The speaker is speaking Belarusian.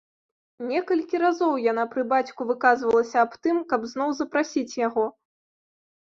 Некалькі разоў яна пры бацьку выказвалася аб тым, каб зноў запрасіць яго.